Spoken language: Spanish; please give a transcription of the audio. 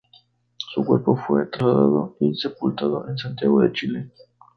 Su cuerpo fue trasladado y sepultado en Santiago de Chile.